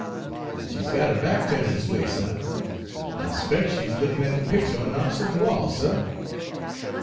"She's got her back tu'ned this way, suh. I 'spec' she's lookin' at the picture on the opposite wall, suh."